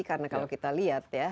karena kalau kita lihat ya